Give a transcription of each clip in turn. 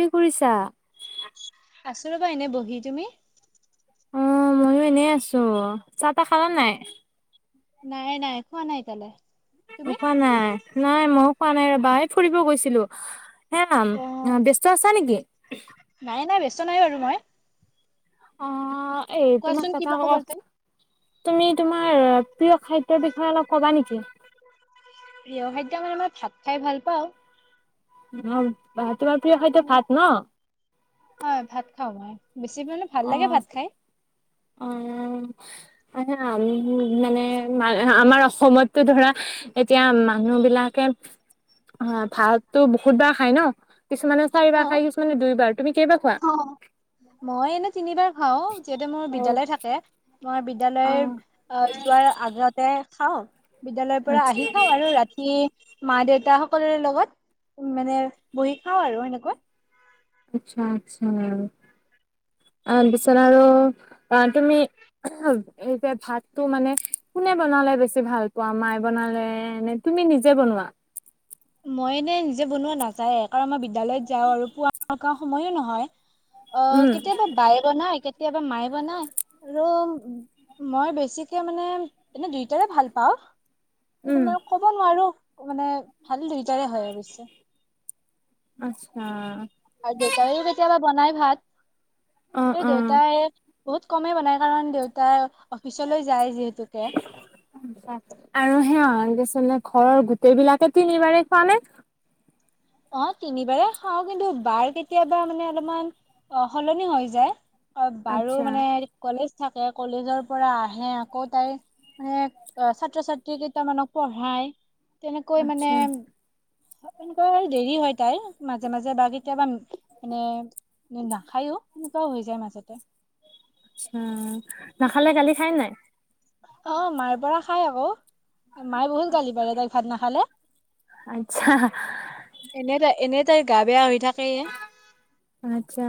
কি কৰিছা? আছো ৰ'বা এনে বহি, তুমি? অহ, ময়ো এনেই আছো। চাহ-তাহ খালা নাই? নাই-নাই, খোৱা নাই তাললে। উপোৱা নাই, নাই মোক পোৱা নাই ৰবা এই ফুৰিব গৈছিলো। হে ন ব্যস্ত আছা নেকি? [unintelligible] নাই-নাই বেস্ত নাই বাৰু মই। অহ। অহ, এই তোমাক কোৱাচোন কথা কিবা ক খবৰ তুমি তুমি তোমাৰ তমাৰ প্ৰিয় খাদ্যৰ বিষয়ে অলপ ক'বা নেকি? প্ৰিয় খাদ্য মানে মই ভাত খাই ভাল পাওঁ। উম। বা তোমাৰ প্ৰিয় হয়তো অ' ভাত ন? হয় ভাত খাওঁ মই বেছি মানে ভাল লাগে অ', ভাত খাই। ম-মানে আমাৰ সময়ততো ধৰা এতিয়া মানুহ বিলাকে ভাতো বহুত বাৰ খায় ন? কিছুমানে অ চাৰিবাৰ খাই কিছুমানে দুইবাৰ তুমি কেইবা খোৱা। অ মই এনে তিনিবাৰ খাও যেতিয়া মোৰ অ বিদ্যালয় থাকে । মই বিদ্যালয় অ', আহ যোৱাৰ আগতে খওঁ বিদ্যায়ালয়ৰ পৰা আচ্ছা, আহি খাওঁ আৰু ৰাতি মা দেউতা সকলোৰে লগত উ মানে বহি খাও আৰু সেনেকুৱা। আচ্ছা আচছা ত পিছত আৰু তুমি এ যে ভাতটো মানে কোনে বনালে বেছি ভাল পোৱা মায়ে বনালে নে তুমি নিজে বনোৱা । মই এনে নিজে বনোৱা নাযায় কাৰণ মই বিদ্যালয়ত যাওঁ আৰু পোৱা কাৰ সময়ো নহয়, অ উম, কেতিয়াবা বায়ে বনাই, কেতিয়াবা মায়ে বনায় আৰু মই বেছিকে মানে এনে দুইটাৰে ভাল পাওঁ কিন্তু উম, মই কব নোৱাৰো। মানে ভাল দুইটাৰে হয় অৱশ্যে আচ্ছা, আৰু দে ত পতি বনাই ভাত অ', ক অ'। দেউত হ বহুত কমেই বনাই কাৰণ দেউতাই অফিচলৈ যায় যিহেতুকে আচ্ছা। আৰু [unintelligible] ঘৰৰ গোটেই বিলাকে তিনিবাৰি খোৱানে? অ তিনিবাৰে খাও কিন্তু বাৰ কেতিয়াবা মানে অলপমান অ সলনি হৈ যায়। অ বাৰু আচ্ছা, মানে কলেজ থাকে কলেজৰ পৰা আহে আকৌ তাই মানে ছাত্ৰ ছাত্ৰী কেইটামানক পঢ়ায়, তেনেকৈ মানে আচ্ছা, ক দেৰি হয় তাইৰ মাজে মাজে বা কেতিয়াবা মানে নাখায়ো সনেকুৱাও হৈ যায় মাজতে উম নাখালে কালি খাই নাই অ মাৰ পৰা খাই আকৌ মায়ে বহুত গালি পাৰে তাইক ভাত নাখালে। আ এনে তাই এনে তাইৰ গা বেয়া হৈ থাকেয়ে আচ্ছা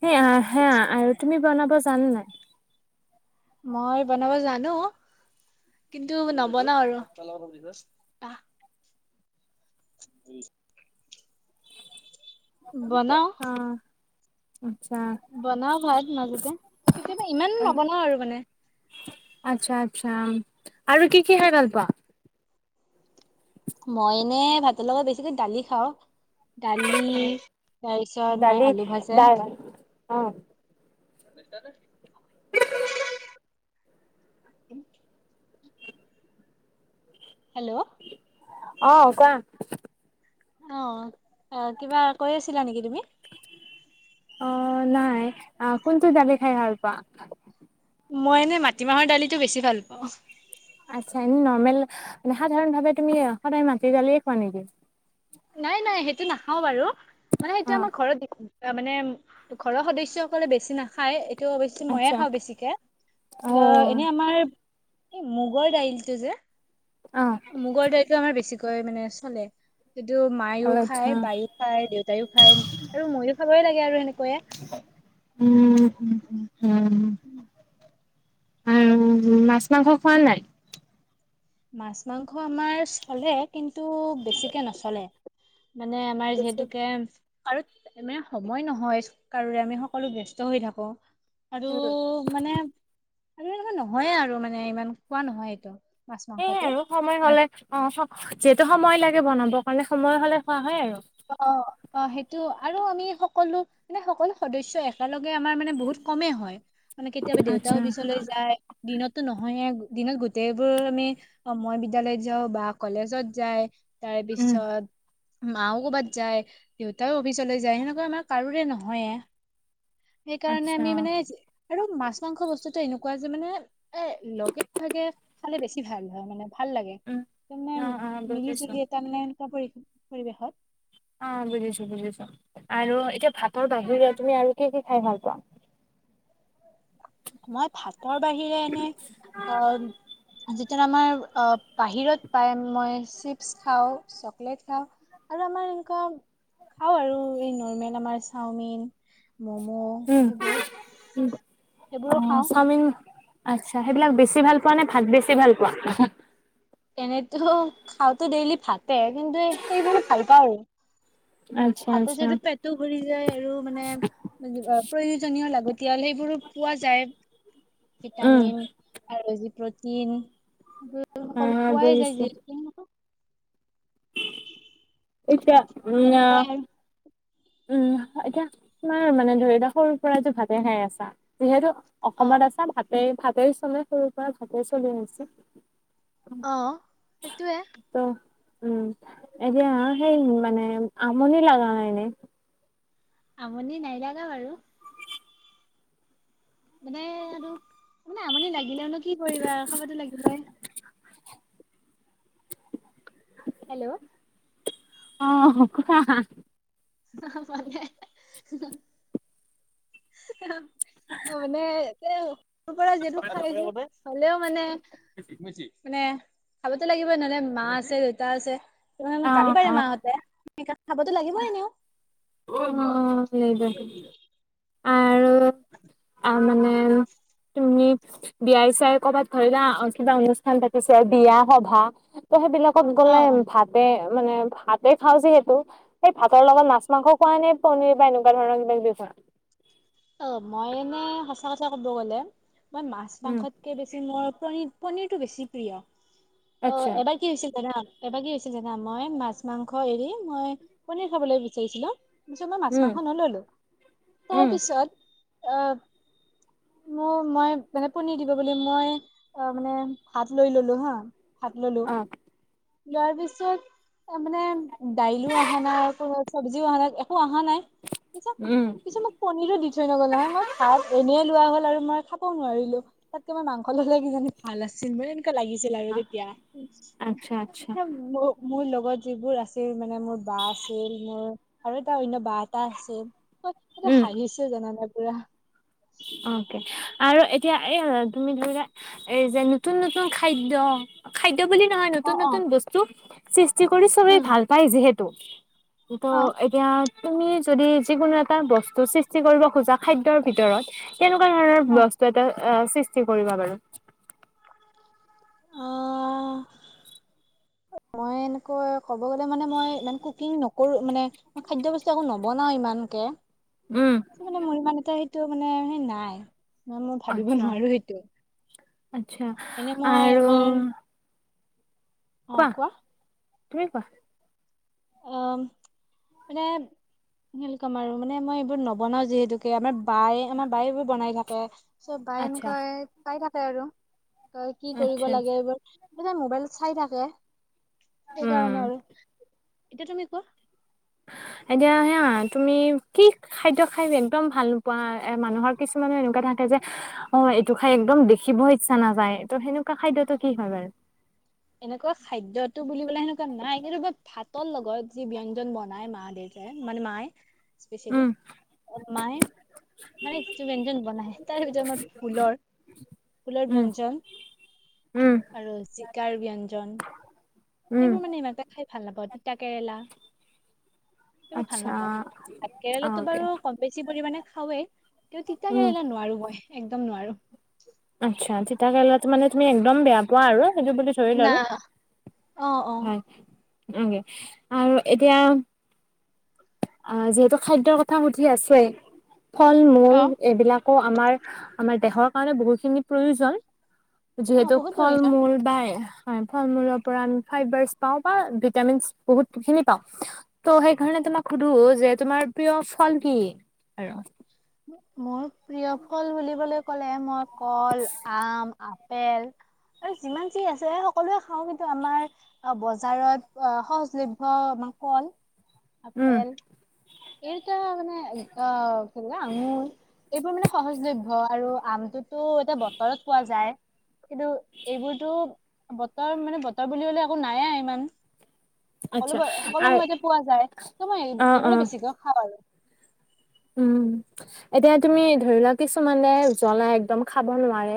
সেই হা আৰু তুমি বনাব জান নাই মই বনাব জানো কিন্তু নবনাও আৰু আহ উম বনা অ', আচ্ছা। বনাও ভাত মাজতে কেতিয়াবা ইমান নবনাও আৰু মানে? আচ্ছা আচ্ছা আৰু কি কি খাই ভাল পোৱা। মই এনে ভাতৰ লগত বেছিকৈ দালি খাওঁ। দালি তাৰপিছত মায়ে দালি আলু ভাজা। দাল অ [unintelligible] [unintelligible] হেল্ল'। অহঁ কোৱা। অহঁ অ'হ কিবা কৈ আছিলা নেকি তুমি। অঁ নাই আ কোনটো দালি খাই ভাল পোৱা। মই এনে মাটিমাহৰ দালিটো বেছি ভাল পাওঁ। আচ্ছা এনে নৰ্মেল মানে সাধাৰণ ভাৱে তুমি সদায় মাটি দালিয়ে খোৱা নেকি। নাই নাই সেইটো নাখাওঁ বাৰু। মানে অ সেইটো আমাৰ ঘৰত দেখোন মানে ঘৰৰ সদস্যসকলে বেছি নাখায়--। টো অৱশ্যে মইয়ে আচ্ছা খাওঁ বেছিকে অ অঁ এনে আমাৰ--। এই মুগৰ দাইলটো যে--। অ মগৰ দাইলতটো আমাৰ বেছি--। কৈ মানে চলে। কিন্তু মায়ও আচ্ছা খায় বায়ও খায় দেউতাইও খায় আৰু ময়ো খাবই লাগে--। সেনেকে আৰু। সেনেকৈয়ে উম। উম। উম মাছ মাংস খোৱা নাই। মাছ মাংস আমাৰ চলে কিন্তু বেছিকে নচলে। মানে আমাৰ যিহেতুকে--। আৰু মানে সময় নহয় কাৰোৰে আমি সকলো ব্যস্ত হৈ থাকো। আৰু উম মানে--। আৰু এনেকুৱা নহয়ে আৰু মানে ইমান খোৱা নহয় এইটো। মাছ সেইয়াই আৰু সময় মাংসটো হ'লে অঁ যিহেতু সময় লাগে--। বনাবৰ কাৰণে সময় হ'লে খোৱা হয় আৰু। অঁ অ' সেইটো আৰু আমি সকলো মানে সকলো সদস্য একেলগে আমাৰ মানে বহুত কমেই হয়। মানে কেতিয়াবা দেউতা আচ্ছা অফিচলৈ যায় দিনতটো নহয়ে। দিনত গোটেইবোৰ আমি মই বিদ্যালয়ত যাওঁ বা কলেজত যায়। তাৰ উম পিছত--। মাওঁ । ক'ৰবাত যায় দেউতাও অফিচলৈ যায় সেনেকুৱা আমাৰ কাৰোৰে নহয়ে। সেইকাৰণে আচ্ছা আমি অ মানে আৰু মাছ-মাংস বস্তুটো এনেকুৱা--। যে মানে এ লগে ভাগে খালে বেছি ভাল হয় মানে। ভাল লাগে উম, তাৰমানে অ', অ', মিলি বুজিছোঁ, জুলি এটা মানে পৰি পৰিৱেশত অ বুজিছো বুজিছো আৰু এতিয়া ভাতৰ বাহি তুমি আৰু কি কি খাই ভাল পাোৱা মই ভাতৰ বাহিৰে এনে অ য আমাৰ বাহিৰত পাই মই চিপছ খাওঁ চকলেট খাওঁ আৰু আমাৰ এনেকুৱা খাওঁ আৰু এই নৰ্মেল আমাৰ চাওমিন মম' সেইবোৰ সেইবোৰো খাওঁ আচছা সেইবিলাক বেছি ভাল পোৱা নে ভাত বেছি ভাল পোৱা এনেতো খাওঁতেো ডেইলি ভাতে কিন্তু সেইবে ভাল পাওঁ আৰু আচ্ছা, হাতত আচ্ছা, যটো পেটটো ভৰি যায় আৰু মানে প্ৰয়োজনীয় লাগতিয়াল সেইবোৰো পোৱা যায় উম, ভিটামিন আৰু প্ৰটিন সকলো অ', পোৱাই যায় বুজিছোঁ। যিহেতু স কি এয়া তেনেকৈ আৰু উম এতিয়া তমাৰ মানে ধৰিোৱা সৰুৰ পৰাতো ভাতে খে আছা যিহেতু অ অসমত আছা ভাতে ভাত তাৰছ চনে সৰুৰ পৰা ঘতেেই চলি আহিছ আহ সেইটোৱে ত' উম এতিয়া সেই মানে আমনি লগা নাইনে আমনি নাইলাগা বাৰু মানে আৰু মানে আমনি লাগিলেও কি কৰিবা খাবাতো লাগিব এ হেল্ল' আহ হ ভালে এ অ মানে তোৰ পৰা য খাই হ'লেও মানে বি মানে খাবতো লাগিব নহলে মা আছে দেউতা আছে তুমি কালিবাৰ মাহঁতে খাব তো লাগিবই এনেও অহ, সেই দে। আ মানে তুমি বিয় চাই কৰ'বাত ধৰিলা কিবা অনুষ্ঠান পাতি, বিয়া সভা ত সেইবিলাকত অ গ'লে ভাতে মানে ভাতে খাওঁ যিহেতু, সেই ভাতৰ লগত নাচ মাংস খোৱা নে পনিৰ বা এনেকুৱা ধৰণৰ কিবা-কিবি খোৱা? অহ, মই এনে সঁচা কথা ক'ব গ'লে মই মাছ উম মাংসতকে বেছি মই পনীৰ-পনীৰটো বেছি প্ৰিয়। অহ আচ্ছা এবাৰ কি হৈছিল জানা? এবাৰ কি হৈছিল জানা? মই মাছ মাংস এৰি মই পনীৰ খাবলৈ বিচাৰিছিলো। পিছত মই মাছ উম মাংস নললো, তাৰ উম পিছত অহ, মোৰ মই মানে পনিৰ দিব বুলি মই অহ মানে ভাত লৈ ললো হা? ভাত ল'লোঁ। অ লোৱাৰ পিছত তাৰ মানে দাইলো আহা নাই, চবজিও অহা নাই একো অ হ নাই, উম পিছে মোক পনীৰো দি নল নহয় মই ভাত এনে লোৱা হল আৰু মই খাবও নোৱাৰিলো, তাতকে মই মাংস ললে কিজানি ভাল আছিল মই লাগিছিল আৰু তেতিয়া। আচ্ছা আচ্ছা মোৰ লগত লগত যিবোৰ আছিল মানে মোৰ বা আছিল মোৰ আৰু এটা অনন্্য বা এটা আছিল। হেহতে উম হাঁহিছে। নানপুৰা। অকে, আৰু এতিয়া এই তুমি ধৰিলা এই যে নতুন-নতুন খাদ্য, খাদ্য বুলি নহয় অ অ নতুন-নতুন বস্তু। চষ্ট কৰি চবেই উম ভাল পায় যিহেতু ত তো অ এতিয়া তুমি যদি যিকোনো এটা বস্তু সৃষ্টি কৰিব খোজা খাদ্যৰ ভিতৰত কেনেকুৱা ধৰণৰ বস্তু এটা আহ সৃষ্টি কৰিবা বাৰু? অ মই এনেকৈ ক'ব গলে মানে মই ইমান কুকিং নকৰো মানে মই খাদ্য বস্তু আৌ নবনাও ইমানকে। উম চ মানে মই ইমান এটা হেই টো মানে সেই নাই। ন মই ভাবিব আচ্ছা নোৱাৰো সেইটো। আচ্ছা আৰু অঁ কোৱা ক অঁ মানে স কম আৰু মানে মই এইবোৰ নবনাওঁ যিহেতুকে আমাৰ বায়ে আমাৰ বায়ে এইবোৰ বনাই থাকে চ ব এন আচ্ছা ক কাই থ [unintelligible] চাৰ কি কৰিব আচ্ছা লাগে আচ্ছা এইবোৰ ম মোবাইল চাই থাকে উম সেইকাৰণে আৰু এতিয়া তুমি কোৱা এতিয়া হে তুমি কি খাদ্য খাই একদম ভাল নোপোৱা মানুহৰ কিছুমানে এনেকুৱা থাকে যে অঁ এইটো খাই একদম দেখিব ইচ্ছা নাযায় ত' সেনেকুৱা খাদ্যতটো কি হয় বাৰু এনেকুৱা খাদ্যতো বুলিবলে সেনেকুৱা নাই ত ভাতৰ লগত যি ব্যঞ্জন বনাই মা দেউতাই মানে মায়ে স্পেচিয়েলি উম মায়ে মে যিটো ব্যঞ্জন বনাই তাৰ ভিতৰত মই ফুলৰ ফুলৰ উম ব্যঞ্জন উম আৰু কাৰ ব্যঞ্জন উম সেইবোৰ মানে ইমান এটা খাই ভাল নাপাওঁ তিতা কেৰেলা সেইবোৰ ভাল আচ্ছা নাপাও কেৰেলাতটো অকে বাৰু কম বেছি পৰিমমানে খাওৱেই কিন্তু তিতা উম কেৰেলা নোৱাৰো মই একদম নোৱাৰো আচ্ছা তিতাকেৰেলাত মানে তুমি একদম বেয়া পোৱা আৰু এইয ব চৰি না অ অ। ললো নকে আৰু এতিয়া অঁ যিহেতু খাদ্যৰ কথা সুধি আছে ফল মূল অ এইবিলাক আকৌ আমাৰ আমাৰ দেহৰ কাৰণে বহুখিনি প্ৰয়োজন অ যিহেতু বহুত ফল প্ৰয়োজন। মূল পায় হয় ফল মূলৰ পৰা আমি ফবাৰ পাওঁ বা ভিটামিন বহুতখিনি পাও ত সেইকাৰণে তোমাক সুধো যে তোমাৰ প্ৰিয় ফল কি আৰু মোৰ প্ৰিয় ফল বুলিবলৈ ক'লে মই কল আম আপেল আৰু যিমান যি আছে সকলোৱে খাওঁ কিন্তু আমাৰ বজাৰত সহজলভ্যতাৰ কল আপেল উম এই এয়া মানে অঁ আঙুৰ এইবোৰ মানে সহজলভ্য আৰু আমটোতো এতিয়া বতৰত পোৱা যায় কিন্তু এইবোৰতো বতৰ মানে বতৰ বুলিবলে একো নাইে ইমান আচ্ছা সকলোবোৰ সকলো অ মতে পোৱা যায় ত মই অ এইবোৰে বেছিকে খাওঁ আৰু উ এতিয়া তুমি ধৰি লোৱা কিছুমানে জ্বলা একদম খাব নোৱাৰে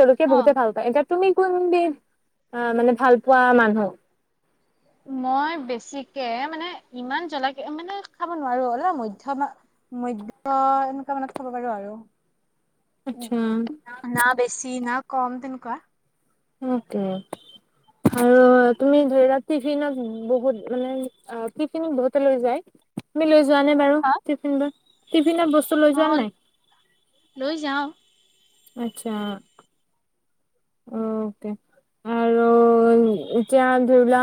জলকীয়াৰ অ বহুতে ভাল পাই এতিয়া তুমি কোনবিধ আহ মানে ভাল পোৱা মানুহ। মই বেছিকে মানে ইমান জ্বলাকে মানে খাব নোৱাৰো অলপ মধ্যমা মধ্য এনেকুৱা মানত খাব পাৰো আৰু। আচ্ছা না বেছি না কম তেনেকুৱা। [unintelligible] আৰু তুমি ধৰি লোৱা টিফিনত বহুত মানে আহ টিফিন বহুতে লৈ যায় তুমি লৈ যোৱা নে বাৰু হা টিফিন বোৰ? টিফিনত বস্তু লৈ অ যোৱা নে নাই? লৈ যাও আচ্ছা। অকে আৰু এতিয়া ধৰিবলা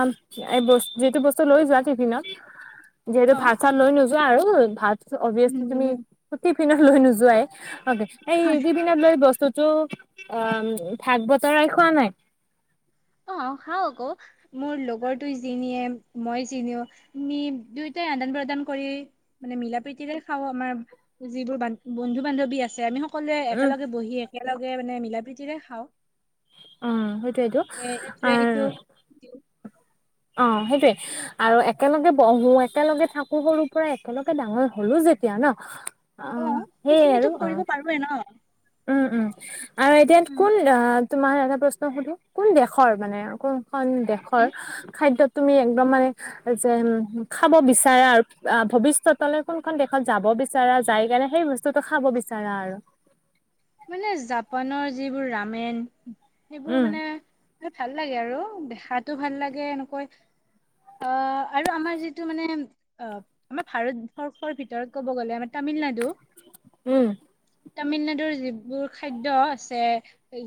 এই যিটো বস্তু লৈ যোৱা টিফিনত যিহেতু অ ভাত চাত লৈ নোযোৱা যোৱা আৰু ভাত অভিয়াছলি তুমি নিনিও। [unintelligible] টিফিনত লৈ নোযোৱাই। অকে এই টিফিনত লৈ বস্তুটো আ বতৰাই খোৱা নাই। অহ, খাও আকৌ মোৰ লগৰ তোই জিনিয়ে মই জিনিও আমি দুয়োটাই আদান প্ৰদান কৰি মানে মিলা প্ৰীতিৰে খাও আমাৰ যিবোৰ বন্ধু বান্ধৱী আছে আমি সক সকলোৱে উম একেলগে বহি এক একেলগে মানে মিলা প্ৰীতিৰে খাওঁ। অহ সেইটোৱেটো। এ ইটোৱে হিটোক [unintelligible] অহ সেইটোৱে আৰু একেলগে বহো একেলগে থাকো সৰুৰ পৰা একেলগে ডাঙৰ হলো যেতিয়া ন অ অহ, সেইয়ে সেইখিনিতো আৰু কৰিব অহ পাৰোৱে ন উম - উম। আৰু এতিয়া উম কোন আহ তোমাৰ এটা প্ৰশ্ন সুধো কোন দেশৰ মানে কোন এখন দেশৰ খাদ্যত তুমি একদম মানে যে খাব বিচাৰা আৰু ভৱিষ্যতলৈ কোনখন দেশত যাব বিচাৰা যাই কেনে সেই বস্তুটো খাব বিচাৰা আৰু। মানে জাপানৰ যিবোৰ ৰামেন সেইবোৰ উম মানে মানে ভাল লাগে আৰু দেখাটো ভাল লাগে এনেকৈ অহ আৰু আমাৰ যিটো মানে অহ আমাৰ ভাৰতবৰ্ষৰ ভিতৰত কব গ'লে তামিলনাডু। উম তামিলনাডুৰ বোৰ খাদ্য আছে।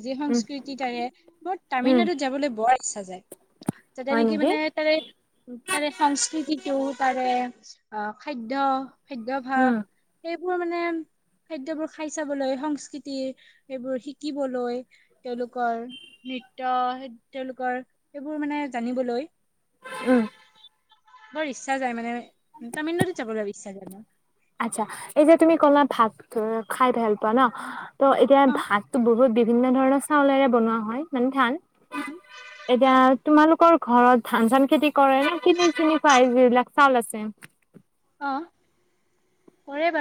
যি উম সংস্কৃতি তাৰে বৰ উম তামিলনাডুত যাবলৈ বৰ ইচ্ছা যায়। যেতে নেকি মানে তাৰে -তাৰে সংস্কৃতিটো তাৰে অহ খাদ্য খাদ্যভাস উম সেই সবোৰ মানে খাদ্যবোৰ খাই চাবলৈ সংস্কৃতি। সেইবোৰ শিকিবলৈ তেওঁলোকৰ ন তেওঁলোকৰ এইবোৰ মানে জানিবলৈ। আহভ বৰ ইচ্ছা যায় মানে। তামিলনাডু যাবগ বিশ্বাস জ আচ্ছা এই যে তুমি ক'লা ভাত খাই ভাল পোৱা ন? ত', এতিয়া অ ভাততো বহুত বি বিভিন্ন ধৰণৰ চাউলেৰে বনোৱা হয় মানে ধান। উম অ এতিয়া তোমালোকৰ। ঘৰত ধান চান খেতি কৰে নে কিনি চিনি পায় যবিলাক চাউল আছে। অহ ', কৰে বাৰু।